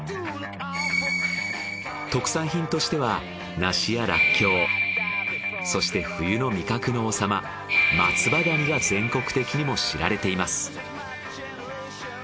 特産品としては梨やらっきょうそして冬の味覚の王様松葉ガニが全国的にも知られています。